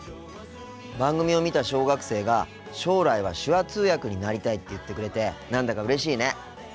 番組を見た小学生が将来は手話通訳になりたいって言ってくれて何だかうれしいね。